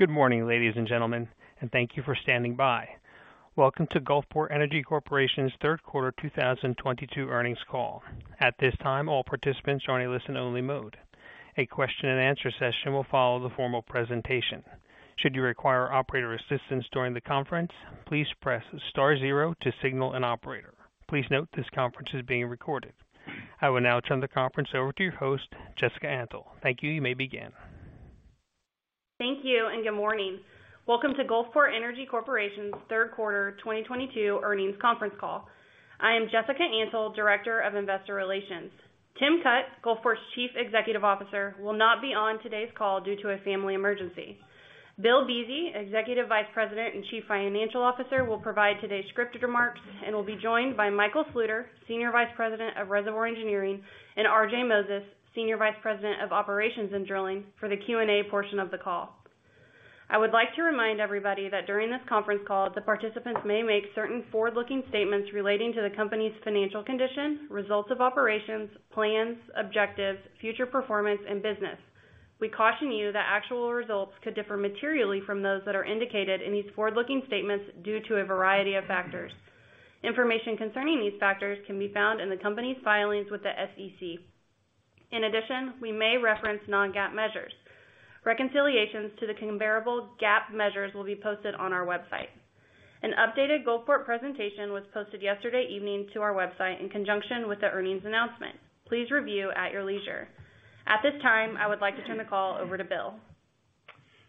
Good morning, ladies and gentlemen, and thank you for standing by. Welcome to Gulfport Energy Corporation's third quarter 2022 earnings call. At this time, all participants are in a listen-only mode. A question-and-answer session will follow the formal presentation. Should you require operator assistance during the conference, please press star zero to signal an operator. Please note this conference is being recorded. I will now turn the conference over to your host, Jessica Antle. Thank you. You may begin. Thank you and good morning. Welcome to Gulfport Energy Corporation's third quarter 2022 earnings conference call. I am Jessica Antle, Director of Investor Relations. Tim Cutt, Gulfport's Chief Executive Officer, will not be on today's call due to a family emergency. Bill Buese, Executive Vice President and Chief Financial Officer, will provide today's scripted remarks and will be joined by Michael Sluiter, Senior Vice President of Reservoir Engineering, and R.J. Moses, Senior Vice President of Operations and Drilling for the Q&A portion of the call. I would like to remind everybody that during this conference call, the participants may make certain forward-looking statements relating to the company's financial condition, results of operations, plans, objectives, future performance, and business. We caution you that actual results could differ materially from those that are indicated in these forward-looking statements due to a variety of factors. Information concerning these factors can be found in the company's filings with the SEC. In addition, we may reference non-GAAP measures. Reconciliations to the comparable GAAP measures will be posted on our website. An updated Gulfport presentation was posted yesterday evening to our website in conjunction with the earnings announcement. Please review at your leisure. At this time, I would like to turn the call over to Bill.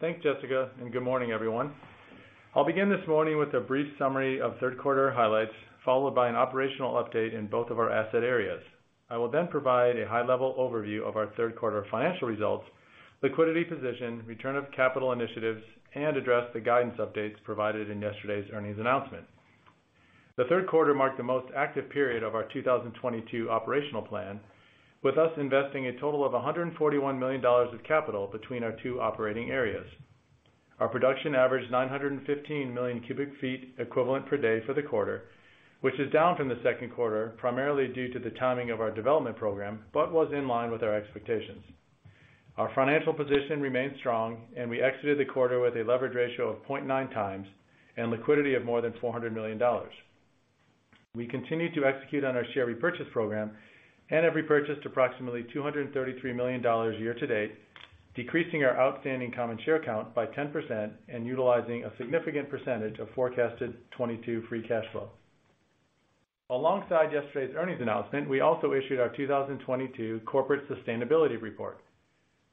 Thanks, Jessica, and good morning, everyone. I'll begin this morning with a brief summary of third quarter highlights, followed by an operational update in both of our asset areas. I will then provide a high-level overview of our third quarter financial results, liquidity position, return of capital initiatives, and address the guidance updates provided in yesterday's earnings announcement. The third quarter marked the most active period of our 2022 operational plan, with us investing a total of $141 million of capital between our two operating areas. Our production averaged 915 million cubic feet equivalent per day for the quarter, which is down from the second quarter, primarily due to the timing of our development program, but was in line with our expectations. Our financial position remains strong, and we exited the quarter with a leverage ratio of 0.9 times and liquidity of more than $400 million. We continue to execute on our share repurchase program and have repurchased approximately $233 million year-to-date, decreasing our outstanding common share count by 10% and utilizing a significant percentage of forecasted 2022 free cash flow. Alongside yesterday's earnings announcement, we also issued our 2022 corporate sustainability report.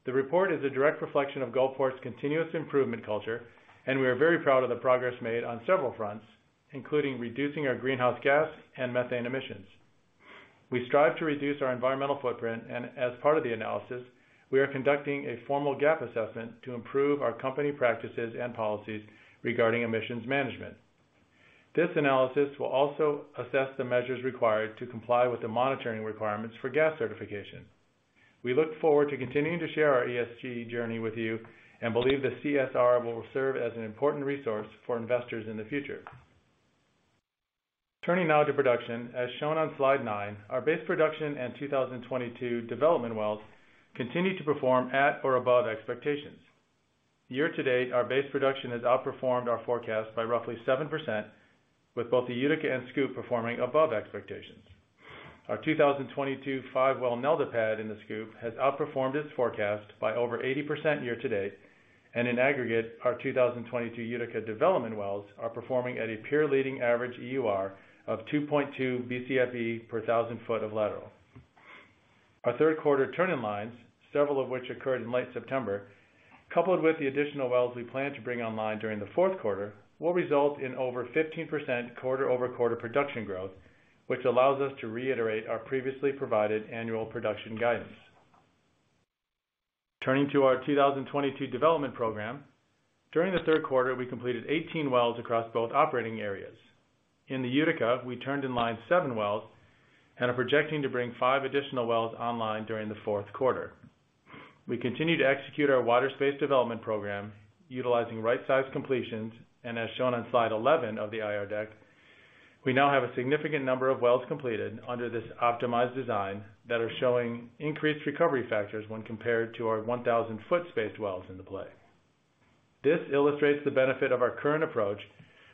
The report is a direct reflection of Gulfport's continuous improvement culture, and we are very proud of the progress made on several fronts, including reducing our greenhouse gas and methane emissions. We strive to reduce our environmental footprint, and as part of the analysis, we are conducting a formal gap assessment to improve our company practices and policies regarding emissions management. This analysis will also assess the measures required to comply with the monitoring requirements for gas certification. We look forward to continuing to share our ESG journey with you and believe the CSR will serve as an important resource for investors in the future. Turning now to production. As shown on slide, our base production and 2022 development wells continue to perform at or above expectations. Year-to-date, our base production has outperformed our forecast by roughly 7%, with both the Utica and SCOOP performing above expectations. Our 2022 five-well Nelda pad in the SCOOP has outperformed its forecast by over 80% year-to-date. In aggregate, our 2022 Utica development wells are performing at a peer-leading average EUR of 2.2 Bcfe per 1,000 feet of lateral. Our third quarter turn-in-lines, several of which occurred in late September, coupled with the additional wells we plan to bring online during the fourth quarter, will result in over 15% quarter-over-quarter production growth, which allows us to reiterate our previously provided annual production guidance. Turning to our 2022 development program. During the third quarter, we completed 18 wells across both operating areas. In the Utica, we turned in line seven wells and are projecting to bring five additional wells online during the fourth quarter. We continue to execute our wider spacing development program utilizing right-sized completions, and as shown on slide 11 of the IR deck, we now have a significant number of wells completed under this optimized design that are showing increased recovery factors when compared to our 1,000-foot spaced wells in the play. This illustrates the benefit of our current approach,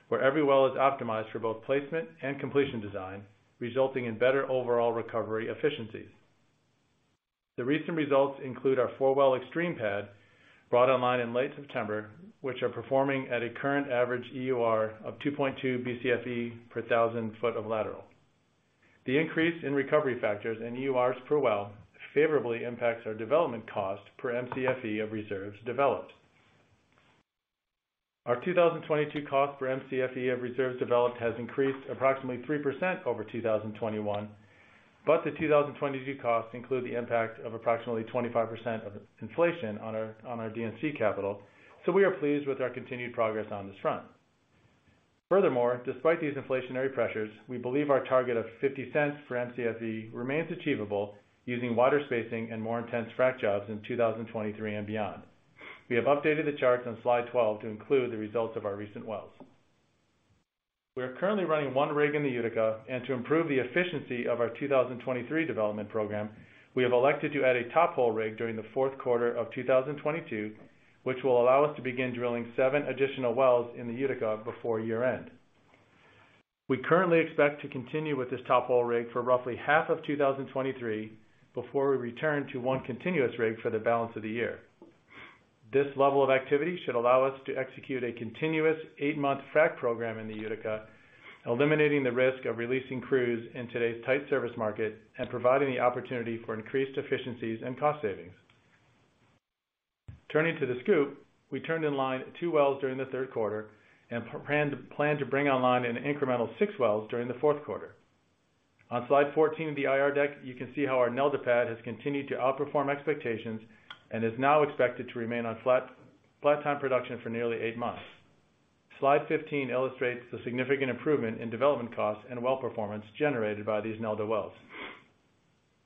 where every well is optimized for both placement and completion design, resulting in better overall recovery efficiencies. The recent results include our four-well Extreme pad brought online in late September, which are performing at a current average EUR of 2.2 Bcfe per thousand foot of lateral. The increase in recovery factors and EURs per well favorably impacts our development cost per Mcfe of reserves developed. Our 2022 cost per Mcfe of reserves developed has increased approximately 3% over 2021, but the 2022 costs include the impact of approximately 25% of inflation on our D&C capital, so we are pleased with our continued progress on this front. Furthermore, despite these inflationary pressures, we believe our target of $0.50 per Mcfe remains achievable using wider spacing and more intense frac jobs in 2023 and beyond. We have updated the charts on slide 12 to include the results of our recent wells. We are currently running one rig in the Utica, and to improve the efficiency of our 2023 development program, we have elected to add a tophole rig during the fourth quarter of 2022, which will allow us to begin drilling seven additional wells in the Utica before year-end. We currently expect to continue with this tophole rig for roughly half of 2023 before we return to one continuous rig for the balance of the year. This level of activity should allow us to execute a continuous eight-month frac program in the Utica, eliminating the risk of releasing crews in today's tight service market and providing the opportunity for increased efficiencies and cost savings. Turning to the SCOOP, we turned in line two wells during the third quarter and plan to bring online an incremental six wells during the fourth quarter. On slide 14 of the IR deck, you can see how our Nelda pad has continued to outperform expectations and is now expected to remain on flat production for nearly eight months. Slide 15 illustrates the significant improvement in development costs and well performance generated by these Nelda wells.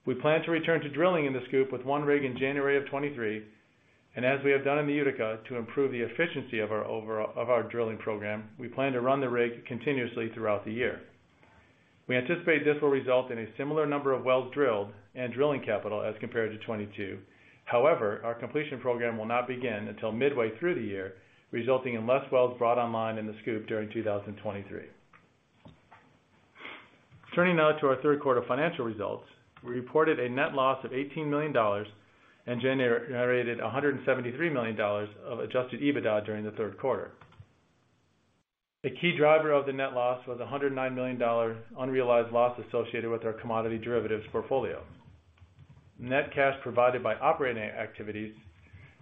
We plan to return to drilling in the SCOOP with one rig in January 2023, and as we have done in the Utica to improve the efficiency of our overall drilling program, we plan to run the rig continuously throughout the year. We anticipate this will result in a similar number of wells drilled and drilling capital as compared to 2022. However, our completion program will not begin until midway through the year, resulting in less wells brought online in the SCOOP during 2023. Turning now to our third quarter financial results. We reported a net loss of $18 million and generated $173 million of adjusted EBITDA during the third quarter. A key driver of the net loss was a $109 million unrealized loss associated with our commodity derivatives portfolio. Net cash provided by operating activities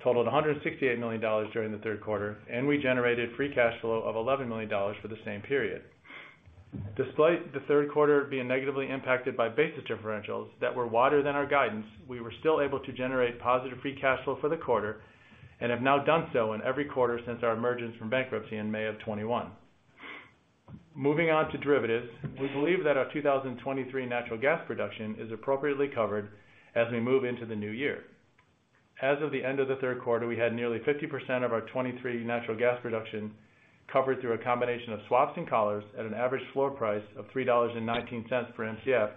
totaled $168 million during the third quarter, and we generated free cash flow of $11 million for the same period. Despite the third quarter being negatively impacted by basis differentials that were wider than our guidance, we were still able to generate positive free cash flow for the quarter and have now done so in every quarter since our emergence from bankruptcy in May 2021. Moving on to derivatives. We believe that our 2023 natural gas production is appropriately covered as we move into the new year. As of the end of the third quarter, we had nearly 50% of our 2023 natural gas production covered through a combination of swaps and collars at an average floor price of $3.19 per Mcf,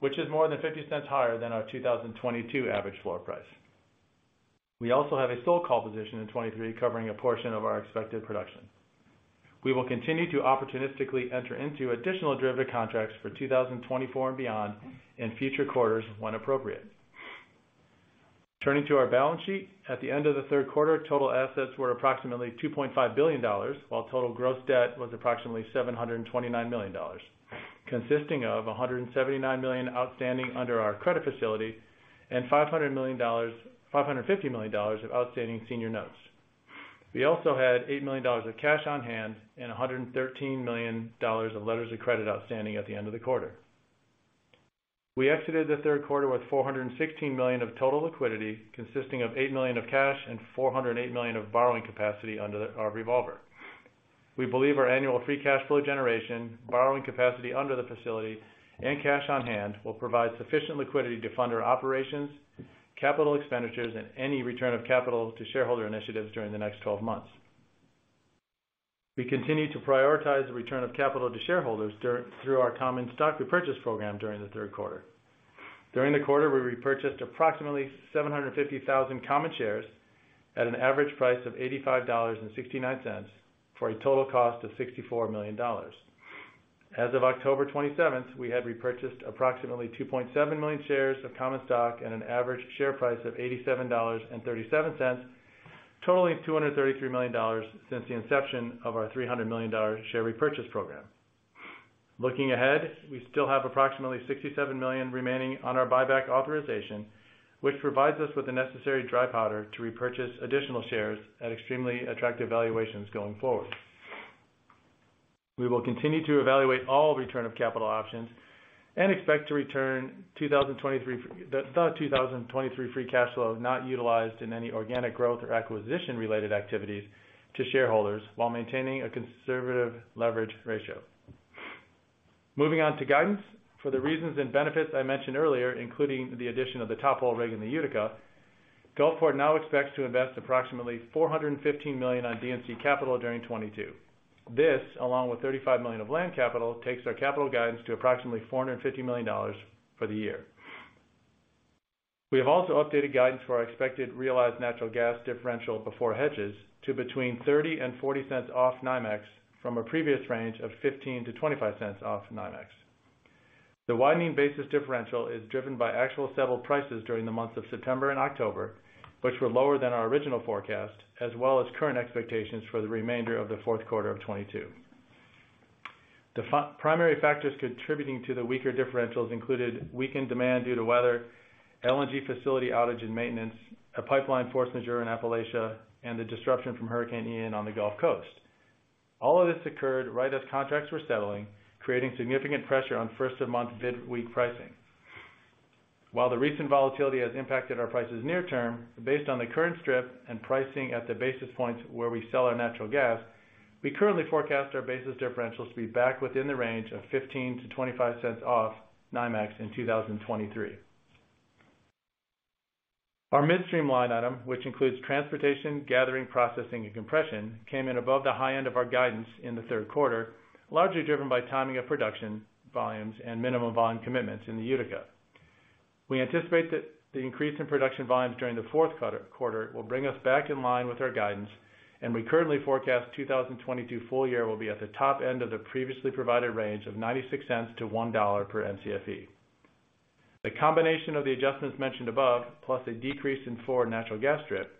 which is more than $0.50 higher than our 2022 average floor price. We also have a sold call position in 2023, covering a portion of our expected production. We will continue to opportunistically enter into additional derivative contracts for 2024 and beyond in future quarters when appropriate. Turning to our balance sheet. At the end of the third quarter, total assets were approximately $2.5 billion, while total gross debt was approximately $729 million, consisting of $179 million outstanding under our credit facility and $550 million of outstanding senior notes. We also had $8 million of cash on hand and $113 million of letters of credit outstanding at the end of the quarter. We exited the third quarter with $416 million of total liquidity, consisting of $8 million of cash and $408 million of borrowing capacity under our revolver. We believe our annual free cash flow generation, borrowing capacity under the facility, and cash on hand will provide sufficient liquidity to fund our operations, capital expenditures, and any return of capital to shareholder initiatives during the next 12 months. We continue to prioritize the return of capital to shareholders through our common stock repurchase program during the third quarter. During the quarter, we repurchased approximately 750,000 common shares at an average price of $85.69, for a total cost of $64 million. As of October 27, we had repurchased approximately 2.7 million shares of common stock at an average share price of $87.37, totaling $233 million since the inception of our $300 million share repurchase program. Looking ahead, we still have approximately $67 million remaining on our buyback authorization, which provides us with the necessary dry powder to repurchase additional shares at extremely attractive valuations going forward. We will continue to evaluate all return of capital options and expect to return 2023 free cash flow not utilized in any organic growth or acquisition-related activities to shareholders while maintaining a conservative leverage ratio. Moving on to guidance. For the reasons and benefits I mentioned earlier, including the addition of the tophole rig in the Utica, Gulfport now expects to invest approximately $415 million on D&C capital during 2022. This, along with $35 million of land capital, takes our capital guidance to approximately $450 million for the year. We have also updated guidance for our expected realized natural gas differential before hedges to between $0.30 and $0.40 off NYMEX from a previous range of $0.15-$0.25 off NYMEX. The widening basis differential is driven by actual settled prices during the months of September and October, which were lower than our original forecast, as well as current expectations for the remainder of the fourth quarter of 2022. The primary factors contributing to the weaker differentials included weakened demand due to weather, LNG facility outage and maintenance, a pipeline force majeure in Appalachia, and the disruption from Hurricane Ian on the Gulf Coast. All of this occurred right as contracts were settling, creating significant pressure on first-of-the-month bid week pricing. While the recent volatility has impacted our prices near term, based on the current strip pricing and the basis points where we sell our natural gas, we currently forecast our basis differentials to be back within the range of $0.15-$0.25 off NYMEX in 2023. Our midstream line item, which includes transportation, gathering, processing, and compression, came in above the high end of our guidance in the third quarter, largely driven by timing of production volumes and minimum volume commitments in the Utica. We anticipate that the increase in production volumes during the fourth quarter will bring us back in line with our guidance, and we currently forecast 2022 full year will be at the top end of the previously provided range of $0.96-$1 per Mcfe. The combination of the adjustments mentioned above, plus a decrease in forward natural gas strip,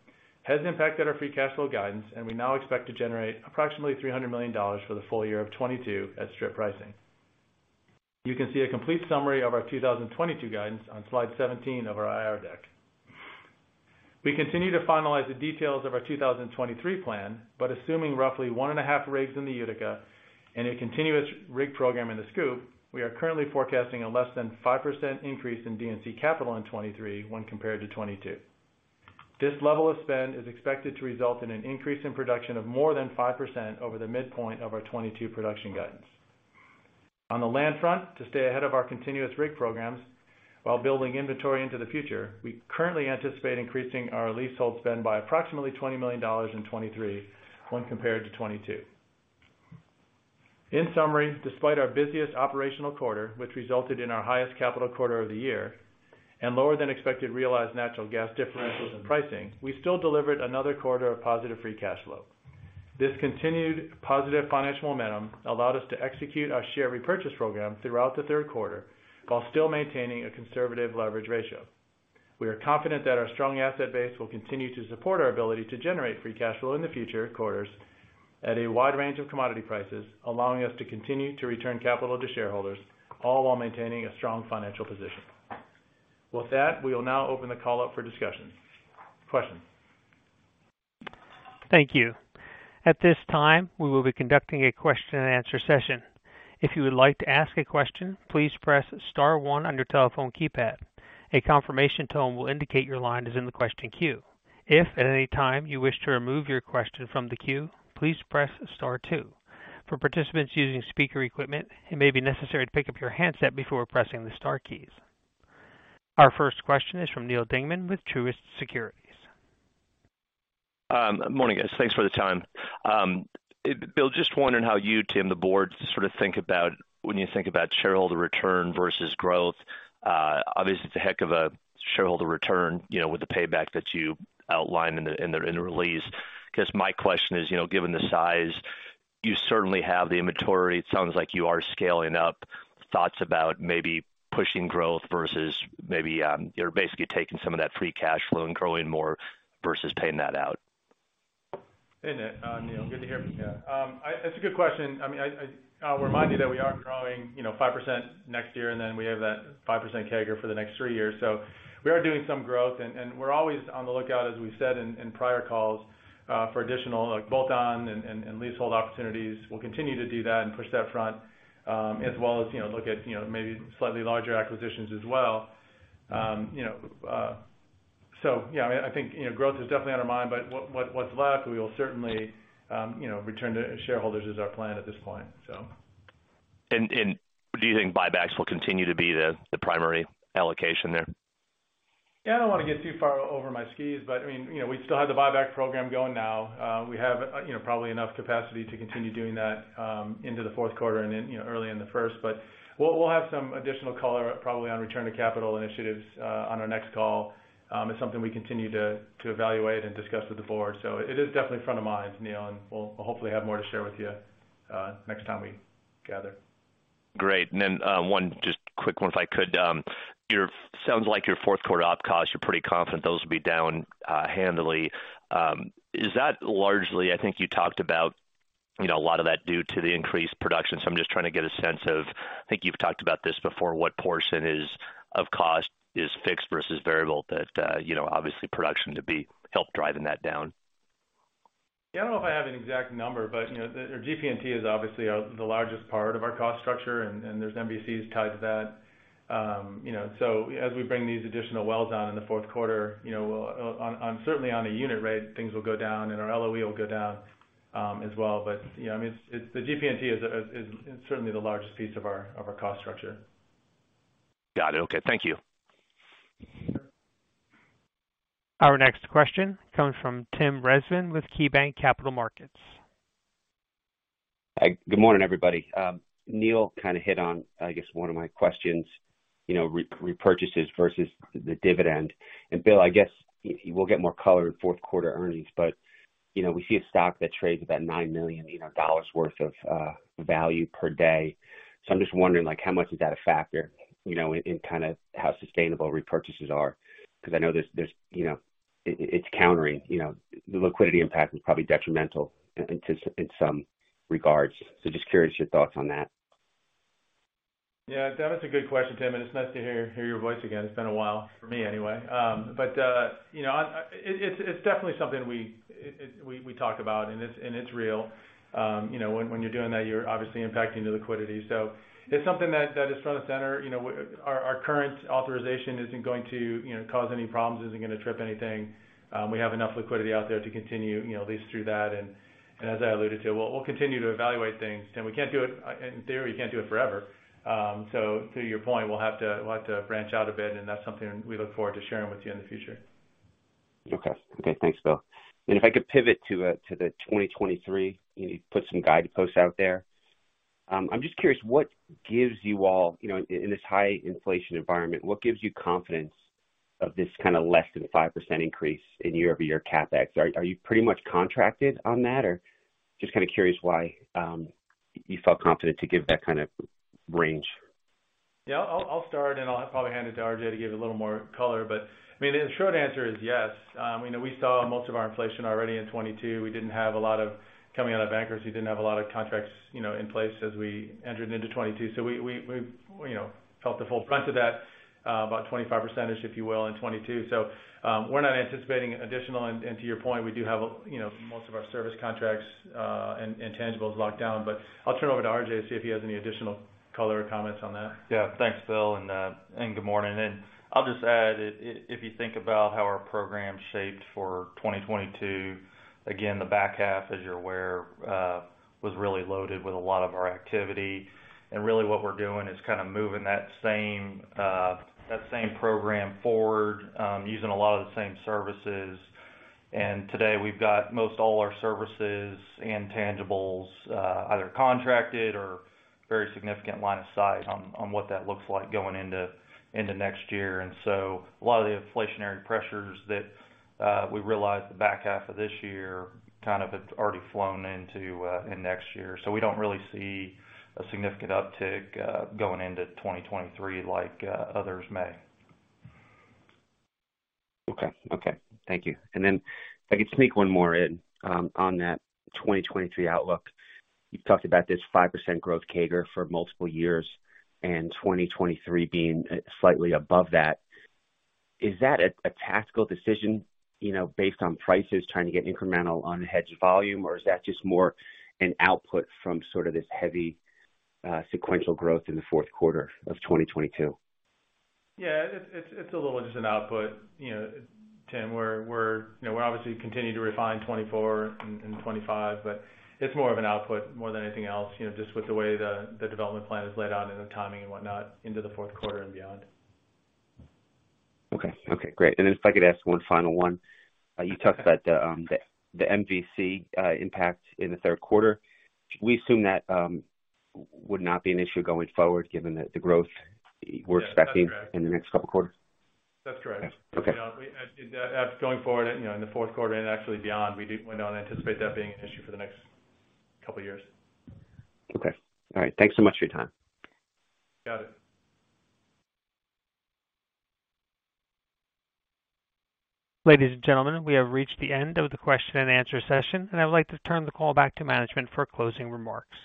has impacted our free cash flow guidance, and we now expect to generate approximately $300 million for the full year of 2022 at strip pricing. You can see a complete summary of our 2022 guidance on slide 17 of our IR deck. We continue to finalize the details of our 2023 plan, but assuming roughly 1.5 rigs in the Utica and a continuous rig program in the SCOOP, we are currently forecasting a less than 5% increase in D&C capital in 2023 when compared to 2022. This level of spend is expected to result in an increase in production of more than 5% over the midpoint of our 2022 production guidance. On the land front, to stay ahead of our continuous rig programs while building inventory into the future, we currently anticipate increasing our leasehold spend by approximately $20 million in 2023 when compared to 2022. In summary, despite our busiest operational quarter, which resulted in our highest capital quarter of the year, and lower than expected realized natural gas differentials in pricing, we still delivered another quarter of positive free cash flow. This continued positive financial momentum allowed us to execute our share repurchase program throughout the third quarter while still maintaining a conservative leverage ratio. We are confident that our strong asset base will continue to support our ability to generate free cash flow in the future quarters at a wide range of commodity prices, allowing us to continue to return capital to shareholders, all while maintaining a strong financial position. With that, we will now open the call up for discussion. Questions. Thank you. At this time, we will be conducting a question and answer session. If you would like to ask a question, please press star one on your telephone keypad. A confirmation tone will indicate your line is in the question queue. If at any time you wish to remove your question from the queue, please press star two. For participants using speaker equipment, it may be necessary to pick up your handset before pressing the star keys. Our first question is from Neal Dingmann with Truist Securities. Morning, guys. Thanks for the time. Bill, just wondering how you, Tim, the board sort of think about shareholder return versus growth. Obviously, it's a heck of a shareholder return, you know, with the payback that you outlined in the release. I guess my question is, you know, given the size, you certainly have the inventory. It sounds like you are scaling up thoughts about maybe pushing growth versus maybe you're basically taking some of that free cash flow and growing more versus paying that out. Hey, Neal, good to hear from you. That's a good question. I mean, I'll remind you that we are growing, you know, 5% next year, and then we have that 5% CAGR for the next three years. We are doing some growth, and we're always on the lookout, as we've said in prior calls, for additional like bolt-on and leasehold opportunities. We'll continue to do that and push that front, as well as, you know, look at, you know, maybe slightly larger acquisitions as well. Yeah, I think, you know, growth is definitely on our mind. What's left, we will certainly return to shareholders is our plan at this point. Do you think buybacks will continue to be the primary allocation there? Yeah, I don't want to get too far over my skis, but I mean, you know, we still have the buyback program going now. We have, you know, probably enough capacity to continue doing that into the fourth quarter and then, you know, early in the first. We'll have some additional color probably on return to capital initiatives on our next call. It's something we continue to evaluate and discuss with the board. It is definitely front of mind, Neal, and we'll hopefully have more to share with you next time we gather. Great. One just quick one, if I could. Sounds like your fourth quarter OpEx costs, you're pretty confident those will be down handily. Is that largely I think you talked about, you know, a lot of that due to the increased production. I'm just trying to get a sense of, I think you've talked about this before, what portion of cost is fixed versus variable that, you know, obviously production will help driving that down. Yeah, I don't know if I have an exact number, but you know, our GP&T is obviously the largest part of our cost structure, and there's MVCs tied to that. You know, as we bring these additional wells on in the fourth quarter, you know, certainly on a unit rate, things will go down, and our LOE will go down, as well. You know, I mean, it's the GP&T is certainly the largest piece of our cost structure. Got it. Okay, thank you. Our next question comes from Tim Rezvan with KeyBanc Capital Markets. Hi. Good morning, everybody. Neal kind of hit on, I guess, one of my questions, you know, repurchases versus the dividend. Bill, I guess we'll get more color in fourth quarter earnings but, you know, we see a stock that trades about $9 million worth of value per day. I'm just wondering, like, how much is that a factor, you know, in kind of how sustainable repurchases are, because I know there's, you know, it's countering, you know, the liquidity impact is probably detrimental in some regards. Just curious your thoughts on that. Yeah. That's a good question, Tim, and it's nice to hear your voice again. It's been a while for me anyway. You know, it's definitely something we talk about, and it's real. You know, when you're doing that, you're obviously impacting the liquidity. So it's something that is front of center. You know, our current authorization isn't going to, you know, cause any problems, isn't gonna trip anything. We have enough liquidity out there to continue, you know, at least through that. As I alluded to, we'll continue to evaluate things. We can't do it forever in theory. So to your point, we'll have to branch out a bit, and that's something we look forward to sharing with you in the future. Okay, thanks, Bill. If I could pivot to the 2023, you know, you put some guideposts out there. I'm just curious, what gives you all, you know, in this high inflation environment, what gives you confidence of this kinda less than 5% increase in year-over-year CapEx? Are you pretty much contracted on that? Or just kinda curious why you felt confident to give that kind of range. Yeah, I'll start, and I'll probably hand it to R.J. to give a little more color. I mean, the short answer is yes. You know, we saw most of our inflation already in 2022. Coming out of bankruptcy, we didn't have a lot of contracts, you know, in place as we entered into 2022. We, you know, felt the full brunt of that, about 25%, if you will, in 2022. We're not anticipating additional. To your point, we do have, you know, most of our service contracts and tangibles locked down. I'll turn over to R.J. to see if he has any additional color or comments on that. Yeah. Thanks, Bill, and good morning. I'll just add, if you think about how our program shaped for 2022, again, the back half, as you're aware, was really loaded with a lot of our activity. Really what we're doing is kinda moving that same program forward, using a lot of the same services. Today we've got most all our services and tangibles, either contracted or very significant line of sight on what that looks like going into next year. A lot of the inflationary pressures that we realized the back half of this year kind of have already flown into next year. We don't really see a significant uptick going into 2023 like others may. Okay. Okay. Thank you. If I could sneak one more in, on that 2023 outlook. You've talked about this 5% growth CAGR for multiple years and 2023 being slightly above that. Is that a tactical decision, you know, based on prices trying to get incremental unhedged volume, or is that just more an output from sort of this heavy sequential growth in the fourth quarter of 2022? Yeah. It's a little just an output. You know, Tim, we're you know, we're obviously continuing to refine 2024 and 2025, but it's more of an output more than anything else, you know, just with the way the development plan is laid out and the timing and whatnot into the fourth quarter and beyond. Okay. Okay, great. Then if I could ask one final one. You talked about the MVC impact in the third quarter. Should we assume that would not be an issue going forward, given the growth we're expecting? Yeah, that's correct. in the next couple of quarters? That's correct. Okay. You know, as going forward, you know, in the fourth quarter and actually beyond, we don't anticipate that being an issue for the next couple years. Okay. All right. Thanks so much for your time. Got it. Ladies and gentlemen, we have reached the end of the question and answer session, and I would like to turn the call back to management for closing remarks.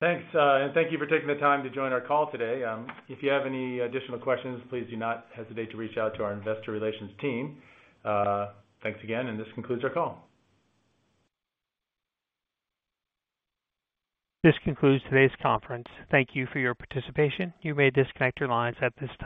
Thanks. Thank you for taking the time to join our call today. If you have any additional questions, please do not hesitate to reach out to our investor relations team. Thanks again, and this concludes our call. This concludes today's conference. Thank you for your participation. You may disconnect your lines at this time.